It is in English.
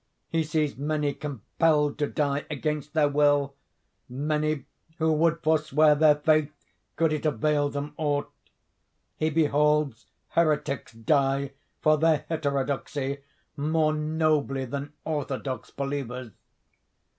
He sees many compelled to die against their will; many who would forswear their faith could it avail them aught. He beholds heretics die for their heterodoxy more nobly than orthodox believers.